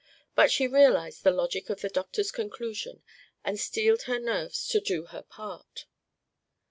But she realized the logic of the doctor's conclusion and steeled her nerves to do her part.